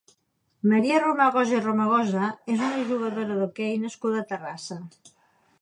Maria Romagosa i Romagosa és una jugadora d'hoquei nascuda a Terrassa.